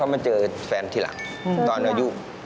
เอาแฟนมาเล่นด้วย